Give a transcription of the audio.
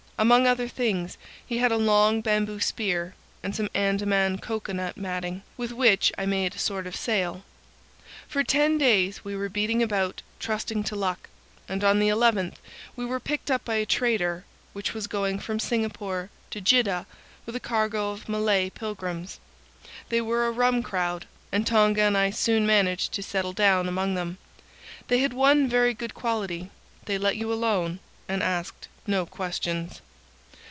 Among other things, he had a long bamboo spear, and some Andaman cocoa nut matting, with which I made a sort of sail. For ten days we were beating about, trusting to luck, and on the eleventh we were picked up by a trader which was going from Singapore to Jiddah with a cargo of Malay pilgrims. They were a rum crowd, and Tonga and I soon managed to settle down among them. They had one very good quality: they let you alone and asked no questions.